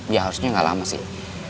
ya harusnya nggak lama sih